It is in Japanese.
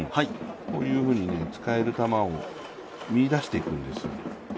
こういうふうに使える球を見出してくるんですよ。